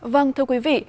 vâng thưa quý vị